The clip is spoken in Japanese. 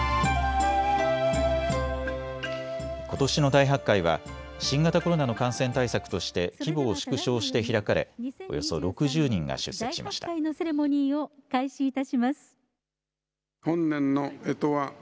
ことしの大発会は新型コロナの感染対策として規模を縮小して開かれ、およそ６０人が出席しました。